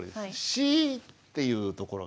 「し」っていうところがね